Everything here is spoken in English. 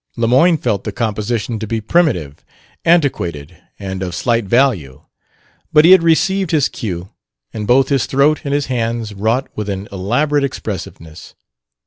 Lemoyne felt the composition to be primitive, antiquated and of slight value; but he had received his cue, and both his throat and his hands wrought with an elaborate expressiveness.